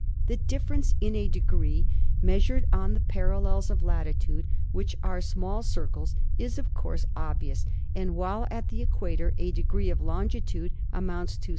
The difference in a degree measured on the parallels of latitude, which are small circles, is of course obvious, and while at the equator a degree of longitude amounts to 69.